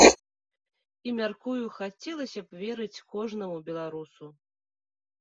І, мяркую, хацелася б верыць кожнаму беларусу.